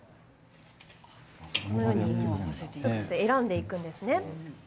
このように、一つ一つ選んでいくんですね。